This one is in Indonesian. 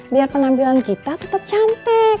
biar penampilan kita tetap cantik